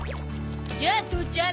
じゃあ父ちゃん